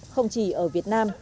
không chỉ ở việt nam